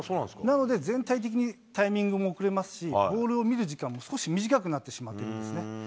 なので、全体的にタイミングも遅れますし、ボールを見る時間も少し短くなってしまっているんですね。